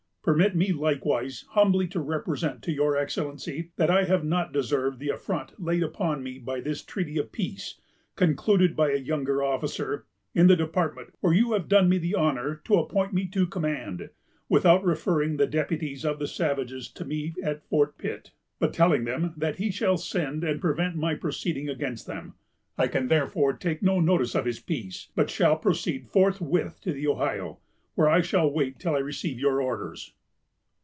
Permit me likewise humbly to represent to your Excellency that I have not deserved the affront laid upon me by this treaty of peace, concluded by a younger officer, in the department where you have done me the honor to appoint me to command, without referring the deputies of the savages to me at Fort Pitt, but telling them that he shall send and prevent my proceeding against them. I can therefore take no notice of his peace, but (shall) proceed forthwith to the Ohio, where I shall wait till I receive your orders."